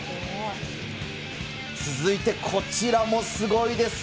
続いてこちらもすごいですよ。